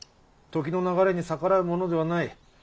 時の流れに逆らうものではない。